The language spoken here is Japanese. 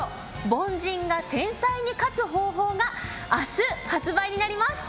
「凡人が天才に勝つ方法」が明日発売になります。